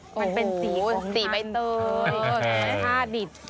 มันเป็นสีของกรานไตย